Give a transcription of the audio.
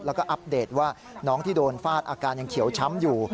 แล้วก็อัปเดตว่าน้องที่โดนฟาดอาการยังเขียวช้ำอยู่